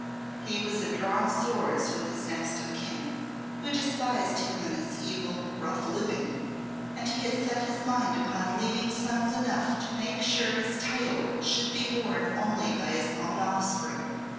He was at drawn swords with his next of kin, who despised him and his evil, rough living, and he had set his mind upon leaving sons enough to make sure his title should be borne only by his own offspring.